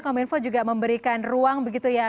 kominfo juga memberikan ruang begitu ya